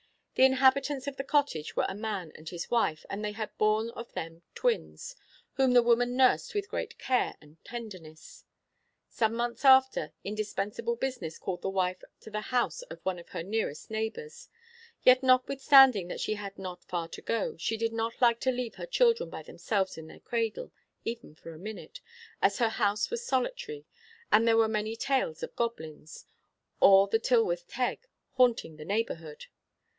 The inhabitants of the cottage were a man and his wife, and they had born to them twins, whom the woman nursed with great care and tenderness. Some months after, indispensable business called the wife to the house of one of her nearest neighbours, yet notwithstanding that she had not far to go, she did not like to leave her children by themselves in their cradle, even for a minute, as her house was solitary, and there were many tales of goblins, or the Tylwyth Teg, haunting the neighbourhood.